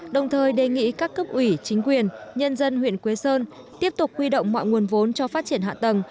đồng thời đề nghị các cấp ủy chính quyền nhân dân huyện quế sơn tiếp tục huy động mọi nguồn vốn cho phát triển hạ tầng